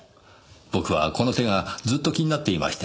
僕はこの手がずっと気になっていましてね。